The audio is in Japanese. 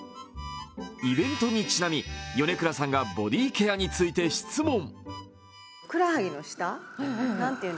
イベントにちなみ米倉さんがボディーケアについて質問。